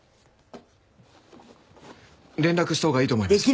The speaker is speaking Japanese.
連絡したほうがいいと思います。